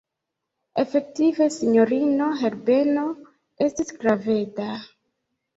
Efektive sinjorino Herbeno estis graveda.